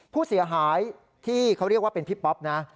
ผู้เสียหายที่เขาเรียกว่าเป็นพี่ป๊อปนะ